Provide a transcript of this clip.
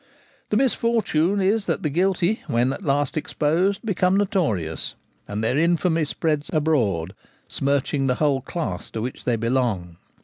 The misfortune is that the guilty when at last exposed become notorious ; and their infamy spreads abroad, smirching the whole class to which they belong.